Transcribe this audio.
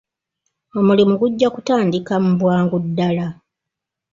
Omulimu gujja kutandika mu bwangu ddaala.